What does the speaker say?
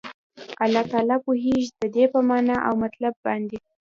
الله تعالی پوهيږي ددي په معنا او مطلب باندي